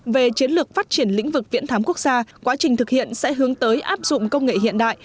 về chiến lược phát triển lĩnh vực viễn thám quốc gia quá trình thực hiện sẽ hướng tới áp dụng công nghệ hiện đại